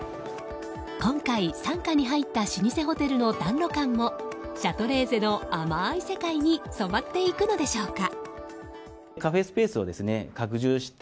今回、傘下に入った老舗ホテルの談露館もシャトレーゼの甘い世界に染まっていくのでしょうか。